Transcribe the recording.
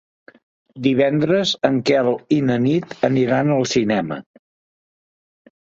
Divendres en Quel i na Nit aniran al cinema.